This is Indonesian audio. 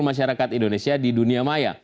masyarakat indonesia di dunia maya